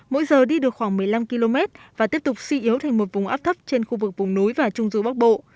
mỗi giờ đi được khoảng một mươi năm km và tiếp tục suy yếu thành một vùng áp thấp trên khu vực vùng núi và trung du bắc bộ